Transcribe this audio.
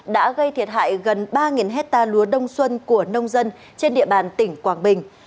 đã gây thiệt hại gần ba hectare lúa đông xuân của nông dân trên địa bàn tỉnh quảng bình